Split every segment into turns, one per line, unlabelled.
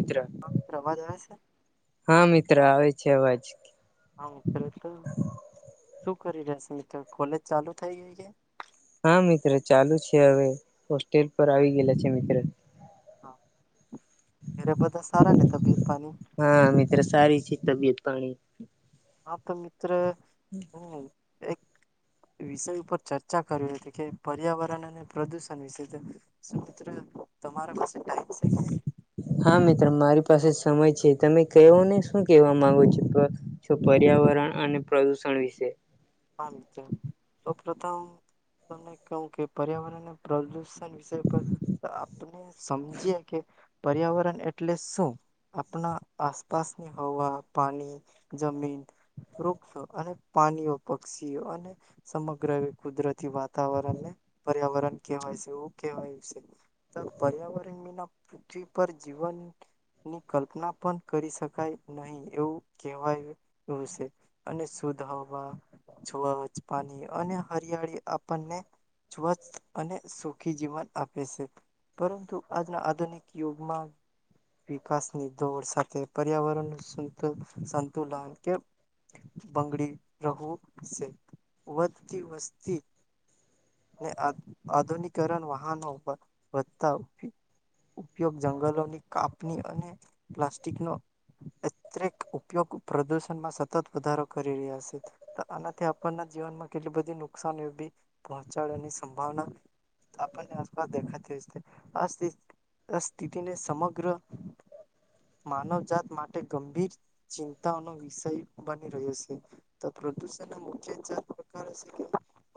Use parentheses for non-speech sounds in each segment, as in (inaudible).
ઇત્ર
હા અવાજ આવે છે.
હા મિત્ર આવે છે આવાજ.
હા મિત્ર (unintelligible) શું કરી રહ્યા છો મિત્ર કોલેજ ચાલુ થઈ ગઈ કે
હા મિત્ર ચાલુ છે હવે હોસ્ટેલ પર આવી ગયેલા છે મિત્ર.
હા ઘરે બધા સારાને તબિયત પાણી.
હા મિત્ર સારી છે તબિયત પાણી
આમ તો મિત્ર
(inaudible)
હમ એક વિષય ઉપર ચર્ચા કરવી હતી કે પર્યાવરણ અને પ્રદુષણ વિશે શું મિત્ર તમારા પાસે ટાઈમ છે કે
(inaudible) હા મિત્ર મારી પાસે સમય છે તમે કેયો ને શું કેવા માંગો છો? જો પર્યાવરણ અને પ્રદુષણ વિશે
સૌપ્રથમ તમને કવું કે પર્યાવરણને પ્રદૂષણ વિષય પર આપને સમજે કે પર્યાવરણ એટલે શું? આપણા આસપાસની હવા, પાણી જમીન, વૃક્ષ અને પ્રાણીઓ, પક્ષીઓ અને સમગ્ર એ કુદરતી વાતાવરણને પર્યાવરણ કહેવાય છે, એવું કહેવાય છે. પર્યાવરણ વિના પૃથ્વી પર જીવન એની કલ્પના પણ કરી શકાય નહી એવું કહેવાયલુ છે. અને શુદ્ધ હવા છૂવા ઉચ્ચ પાણી અને હરિયાળી આપણને સ્વચ્છ અને સુખી જીવન આપે છે. પરંતુ આજના આધુનિક યુગમાં વિકાસની દોડ સાથે પર્યાવરણનું સંતુ સંતુલન કે બંગડી રહું સે, વધતી વસતી ને આધુનિકરણ વાહનો વધતા ઉપયોગ જંગલોની કાપણી અને પ્લાસ્ટિકનો અત્રરેક ઉપયોગ પ્રદૂષણમાં સતત વધારો કરી રહીયો છે. આનાથી આપણના જીવનમાં કેટલી બધી નુકસાની પહોંચાડવાની સંભાવના આપણને આસપાસ દેખાતી હશે, આ સ્થિ આ સ્થિતિને સમગ્ર માનવજાત માટે ગંભીર ચિંતાઓનો વિષય બની રહ્યો છે. તો પ્રદૂષણના મુખ્ય ચાર પ્રકારો છે કે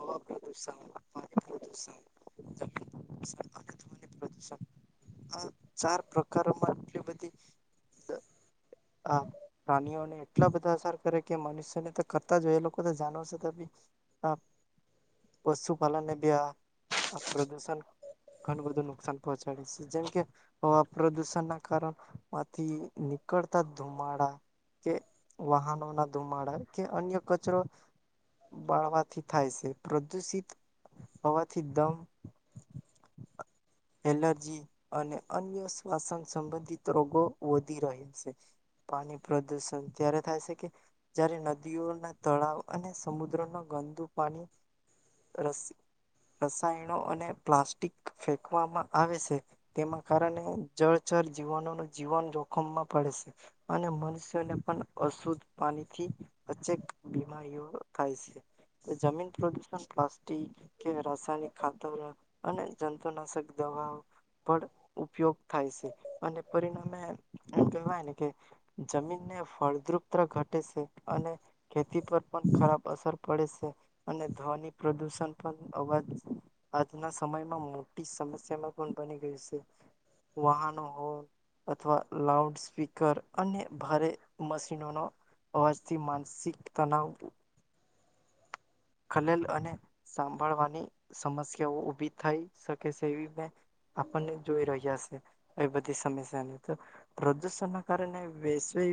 હવા પ્રદૂષણ, પાણી પ્રદૂષણ (unintelligible) જમીન પ્રદૂષણ અને ધ્વનિ પ્રદૂષણ આ ચાર પ્રકારોમાં આટલી બધી આ પ્રાણીઓને એટલા બધા અસર કરે કે મનુષ્યને કરતા, જો એ લોકો તો જાનવર છે, તો બી પશુપાલનને બી આ પ્રદૂષણ ઘણું બધું નુકસાન પહોંચાડે છે. જેમ કે હવા પ્રદુષણના કારણ માંથી નીકળતા ધુમાડા કે વાહનોના ધુમાડા કે અન્ય કચરો બાળવાથી થાય છે, પ્રદુષિત હવાથી દમ હ (inaudible) એલર્જી અને અન્ય શ્વાસન સંબંધિત રોગો વધી રહે છે. પાણી પ્રદુષણ ત્યારે થાય છે કે જ્યારે ન નદીઓના તળાવ અને સમુદ્રનું ગંદુ પાણી રસ રસાયણો અને પ્લાસ્ટિક ફેંકવામાં આવે છે. તેના કારણે જળચર જીવાનોનું જીવન, જોખમમાં પડે છે. અને મનુષ્યને પણ અશુદ્ધ પાણીથી ચેક બીમારીઓ થાય છે. જમીન પ્રદુષણ પ્લાસ્ટિક કે રાસાયણિક ખાતર અને જંતુનાશક દવાઓ પણ ઉપયોગ થાય છે અને પરિણામે કહેવાયને કે જમીનને ફળદ્રુપતા ઘટે છે અને ખેતી પર પણ ખરાબ અસર પડે છે અને ધ્વની પ્રદુષણ પણ અવાજ આજના સમયમાં મોટી સમસ્યામાં પણ બની ગઈ છે. વાહનો હોય અથવા લાઉડ સ્પીકર અને ભારે મશીનોનો અવાજ થી માનસિક તનાવ ખલેલ અને સાંભળવાની સમસ્યાઓ ઉભી થઈ શકે છે. એવી મે આપણને જોઈ રહ્યા છે. એ બધી સમસ્યાની તો પ્રદૂષણ ના કારણે વેશવે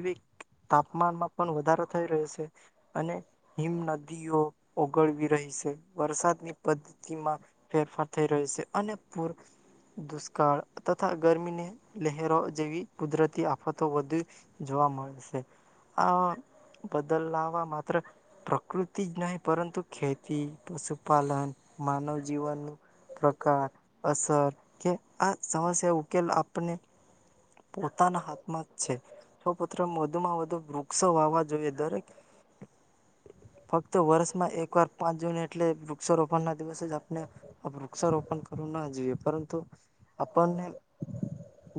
તાપમાનમાં પણ વધારો થઈ રહ્યો છે અને હિમ નદીઓ ઓગળવી રહી છે. વરસાદની પદ્ધતિમાં ફેરફાર થઈ રહ્યો છે અને પૂર દુષ્કાળ તથા ગરમીને લહેરો જેવી કુદરતી આફતો વધી જોવા મળશે. આ બદલ લાવવા માત્ર પ્રકૃતિ જ નહીં. પરંતુ ખેતી, પશુપાલન, માનવ જીવનનું. પ્રકાર, અસર કે આ સમસ્યા ઉકેલ આપને. પોતાના હાથમાં જ છે. તો પુત્ર વધુ માં વધુ વૃક્ષો વાવા જોઈએ દરેક. ફક્ત વર્ષ માં એક વાર. પાંચ જૂન એટલે વૃક્ષારોપણ ના દિવસે જ આપણે વૃક્ષારોપણ કરવું ના જોઈએ પરંતુ. આપણને.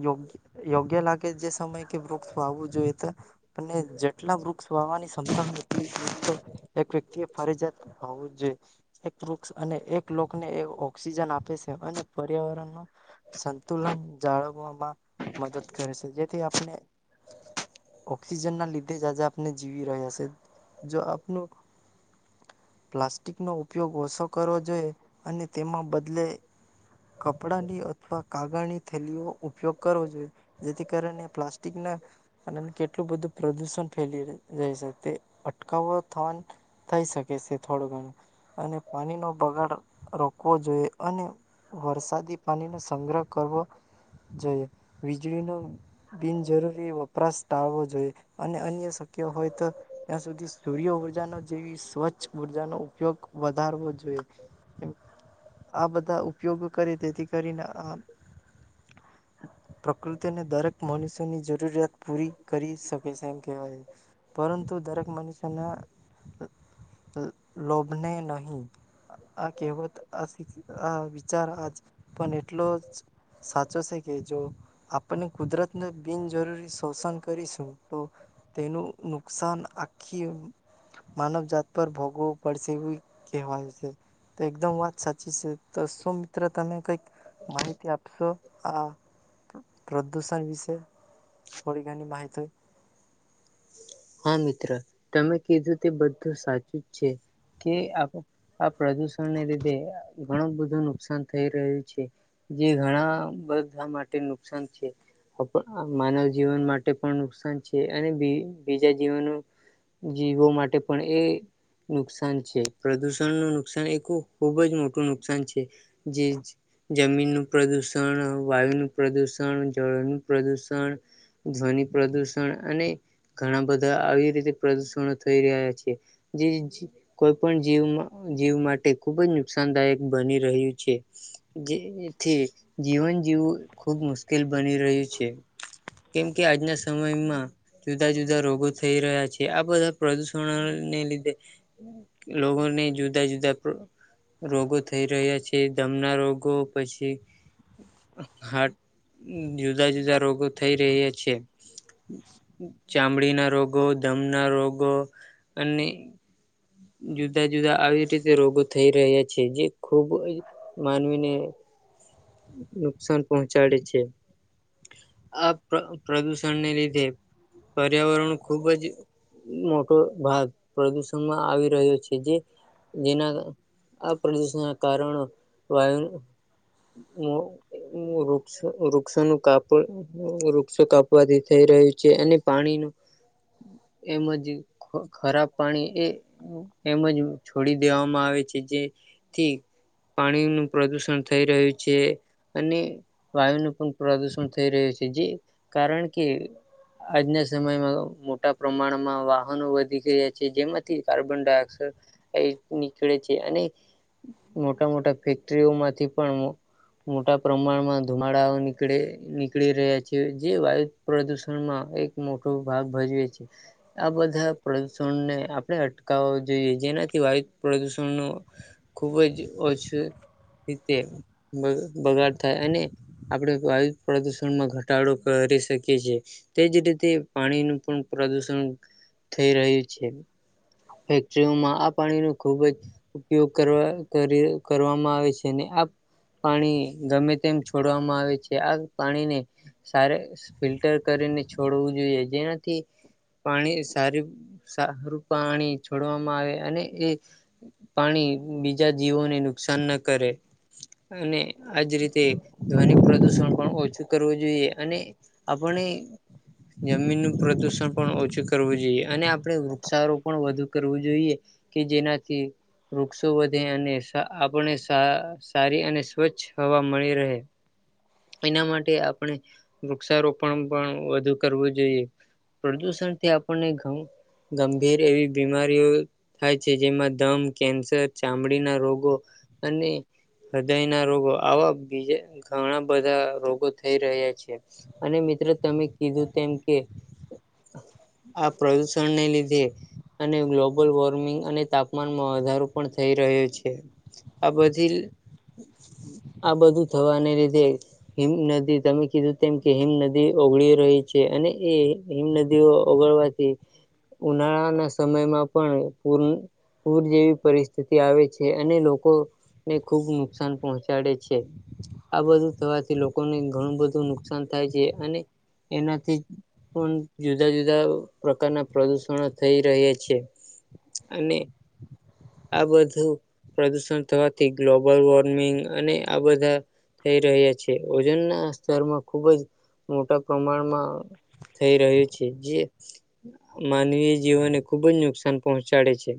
યોગ્ય યોગ્ય લાગે જે સમય કે વૃક્ષ વાવું જોઈએ તો. અને જેટલા વૃક્ષ વાવાની ક્ષમતા હોય એટલી વૃક્ષ તો એક વ્યક્તિએ. ફરજીયાત હોવું જ જોઇએ. એક વૃક્ષ અને એક લોકને એવુ ઓક્સિજન આપે છે અને પર્યાવરણ માં. સંતુલન જાળવવામાં મદદ કરે છે જેથી આપણે. ઓક્સિજન ના લીધે જ આજે આપને જીવી રહ્યા જો આપનું. પ્લાસ્ટિકનો ઉપયોગ ઓછો કરવો જોઈએ અને તેમાં બદલે. કપડાંની અથવા કાગળની થેલીઓ ઉપયોગ કરવો જોઈએ. જેથી કારણે પ્લાસ્ટિક ના. અને એમ કેટલું બધું પ્રદૂષણ ફેલી રે છે તે અટકાવા થવાની થઈ શકે છે થોડું ઘણું. અને પાણીનો બગાડ રોકવો જોઈએ અને વરસાદી પાણીનો સંગ્રહ. કરવો જોઈએ વીજળીનો. બિન જરૂરી વપરાશ તાવવો જોઈએ. અને અન્ય શક્ય હોય તો ત્યાં સુધી સૂર્ય ઉર્જાનો જેવી સ્વચ્છ ઉર્જાનો ઉપયોગ વધારવો જોઈએ. આ બધા ઉપયોગો કરે તેથી કરીને આ. પ્રકૃતિને દરેક મનુષ્યની જરૂરિયાત પૂરી કરી શકે છે એમ કહેવાય છે. પરંતુ દરેક મનુષ્યના લોભને નહીં. આ કેહવત આ આ વિચાર આજ પણ એટલો જ. સાચો છે કે જો આપણને કુદરતને બિનજરૂરી શોષણ કરીશું તો તેનું નુકસાન આખી માનવ જાત પર ભોગવું પડશે એવું કહેવાય છે તો એકદમ વાત સાચી છે તો શું મિત્રતા ને કંઈક માહિતી આપશો આ પ્રદૂષણ વિશે થોડી ઘણી માહિતી
હા મિત્ર તમે કીધું તે બધું સાચું જ છે કે આ આ પ્રદુષણને લીધે ઘણું બધું નુકસાન થઈ રહ્યું છે જે ઘણા બધા માટે નુકસાન છે આ માનવ જીવન માટે પણ નુકસાન છે અને બી બીજા જીવોનો જીવો માટે પણ એ નુકસાન છે પ્રદુષણ નું નુકસાન એ ખૂ ખૂબ જ મોટું નુકસાન છે જે જમીનનું પ્રદુષણ વાયુ નું પ્રદુષણ જળનું પ્રદુષણ ધ્વનિ પ્રદુષણ અને ઘણા બધા આવી રીતે પ્રદુષણો થઈ રહ્યા છે જી જ કોઈ પણ જીવમાં જીવ માટે ખુબ જ નુકસાનદાયક બની રહ્યું છે જેથી જીવન જીવવું ખુબ મુશ્કેલ બની રહ્યું છે. કેમ કે આજના સમયમાં... જુદા જુદા રોગો થઈ રહ્યા છે. આ બધા પ્રદુષણોને લીધે લોકોને જુદા જુદા. રોગો થઈ રહ્યા છે. દમના રોગો પછી હાર્ટ જુદા જુદા રોગો થઈ રહ્યા છે. ચામડીના રોગો ધમ ના રોગો અને જુદા જુદા આવી રીતે રોગો થઈ રહ્યા છે. જે ખુબ માનવીને નુકસાન. પહોંચાડે છે. આ પ્ર પ્રદૂષણને લીધે, પર્યાવરણનું ખૂબ જ મોટો ભાગ પ્રદુષણમાં આવી રહ્યો છે. જે જેના આ પ્રદુષણ ના કારણો વાયુ વૃક્ષ વૃક્ષોનું કાપ વૃક્ષો કાપવાથી થઈ રહ્યું છે, અને પાણીનું એમજ ખ ખરાબ પાણી એ એમજ છોડી દેવામાં આવે છે. જેથી પાણી નું પ્રદુષણ થઈ રહ્યું છે. અને વાયુ નું પણ પ્રદુષણ થઈ રહ્યું છે. જે કારણ કે આજના સમયમાં મોટા પ્રમાણમાં વાહનો વધી ગયા છે. જેમાંથી કાર્બન ડાયોક્સાઇડ એ નીકળે છે. અને મોટા મોટા ફેક્ટરીઓ માંથી પણ મોટા પ્રમાણમાં ધુમાડાઓ નીકળે નીકળી રહ્યા છે. જે વાયુ પ્રદુષણ માં એક મોટો ભાગ ભજવે છે. આ બધા પ્રદુષણને આપણે અટકાવવો જોઈએ. જેનાથી વાયુ પ્રદુષણનો ખુબ જ ઓછું રીતે બ બગાડ થાય અને આપણે વાયુ પ્રદુષણમાં ઘટાડો કરી શકીએ છીએ. તેજ રીતે પાણી નું પણ પ્રદુષણ થઈ રહ્યું છે. એક્ચ્યુલીમાં આ પાણી નું ખૂબ જ ઉપયોગ કરવા કરી કરવામાં આવે છે. અને આ પાણી ગમે તેમ છોડવામાં આવે છે. આ પાણીને સારે ફિલ્ટર કરીને છોડવું જોઈએ. જેનાથી પાણી સારી સારું પાણી છોડવામાં આવે. અને એ પાણી બીજા જીવોને નુકસાન ના કરે. અને આજ રીતે ધવનિ પ્રદુષણ પણ ઓછું કરવું જોઈએ. અને આપણે જમીનનો પ્રદુષણ પણ ઓછું કરવું, અને આપણે વૃક્ષારોપણ વધુ કરવુ જોઈએ કે જેનાથી વૃક્ષો વધે અને આપને સારી અને સ્વચ્છ હવા મળી રહે.
(inaudible)
એના માટે આપણે વૃક્ષારોપણ પણ વધુ કરવું જોઈએ. પ્રદૂષણ થી આપણને ઘઉ ગંભીર એવી બીમારીઓ થાય છે. જેમાં દમ કેન્સર ચામડીના રોગો અને હૃદય ના રોગો આવા બીજા ઘણા બધા રોગો થઈ રહ્યા છે. અને મિત્રો તમે કીધું તેમ કે, આ પ્રદુષણ ને લીધે. અને ગ્લોબલ વોર્મિંગ અને તાપમાનમાં વધારો પણ થઈ રહ્યો છે. આ બધી આ બધું થવાને લીધે હિમ નદી તમે કીધું તેમ, કે હિમનદી ઓગળી રહી છે. અને એ હિમ નદીઓ ઓગળવાથી, ઉનાળા ના સમયમાં પણ પૂર પૂર જેવી પરિસ્થિતિ આવે છે અને લોકો ને ખુબ નુકસાન પહોંચાડે છે આ બધું થવાથી લોકોને ઘણું બધું નુ નુકસાન થાય છે અને એનાથી પણ જુદા જુદા પ્રકારના પ્રદુષણો થઈ રહ્યા છે. અને આ બધું પ્રદુષણ થવાથી ગ્લોબલ વોર્મિંગ અને આ બધા થઈ રહ્યા છે ઓજન ના સ્તરમાં ખુબ જ મોટા પ્રમાણમાં થઈ રહ્યું છે જે માનવીય જીવનને ખુબ જ નુકસાન પહોંચાડે છે.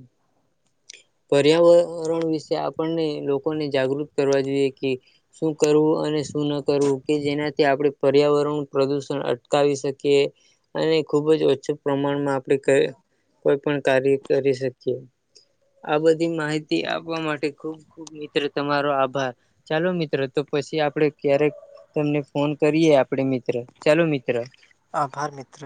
પર્યાવરણ વિશે આપણને લોકોને જાગૃત કરવા જોઈએ કે શું કરવું અને શું ન કરવું કે જેના તે આપણે પર્યાવરણ પ્રદૂષણ અટકાવી શકીએકે અને ખુબ જ ઓછું પ્રમાણમાં આપણે કોઈ પણ કાર્ય કરી શકીએ. આ બધી માહિતી આપવા માટે ખુબ મિત્ર તમારો આભાર ચાલો મિત્રો તો પછી આપડે ક્યારેક તમને ફોન કરીએ આપડે મિત્ર ચાલો મિત્ર.
આભાર મિત્ર.